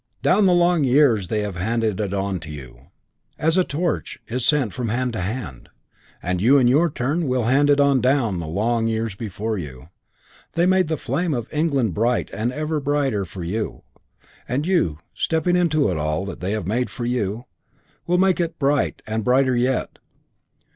Down the long years they have handed it on to you, as a torch is sent from hand to hand, and you in your turn will hand it on down the long years before you. They made the flame of England bright and ever brighter for you; and you, stepping into all that they have made for you, will make it bright and brighter yet.